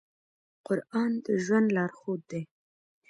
قرآن د ژوند لارښود دی.